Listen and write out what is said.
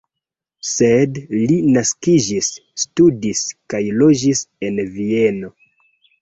Sed li naskiĝis, studis kaj loĝis en Vieno.